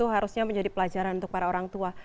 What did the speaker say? harusnya menjadi pelajaran untuk para orang tua